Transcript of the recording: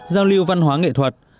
giao lưu văn hóa nghệ thuật